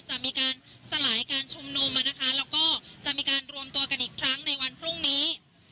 จะมีการสลายการชุมนุมนะคะแล้วก็จะมีการรวมตัวกันอีกครั้งในวันพรุ่งนี้